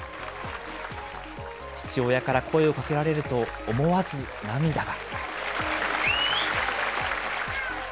父親から声をかけられると、思わず涙が。